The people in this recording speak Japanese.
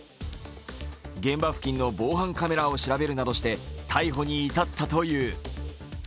現場付近の防犯カメラを調べるなどして逮捕に至ったという。